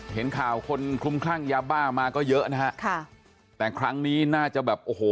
เห็นข่าวคนคลุมคลั่งยาบ้ามาก็เยอะนะฮะค่ะแต่ครั้งนี้น่าจะแบบโอ้โห